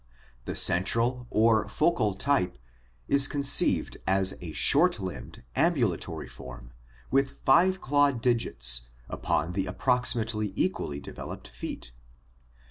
The central or focal type is con ceived as a short limbed, ambulatory form, with five clawed digits upon the approximately equally developed feet.